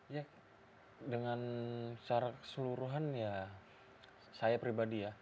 ya dengan secara keseluruhan ya saya pribadi ya